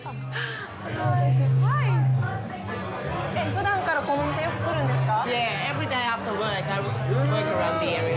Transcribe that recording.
ふだんからこの店、よく来るんですか？